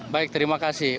baik terima kasih